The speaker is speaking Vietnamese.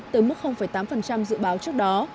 từ mức tám dự báo trước đó